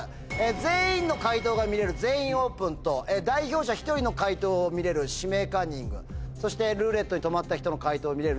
全員の解答が見れる全員オープンと代表者１人の解答を見れる指名カンニングそしてルーレットで止まった人の解答を見れるルーレット。